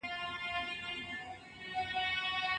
کرکه ټولنه وېشي